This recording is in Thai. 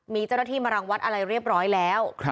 มีเจ้าหน้าที่มารังวัดอะไรเรียบร้อยแล้ว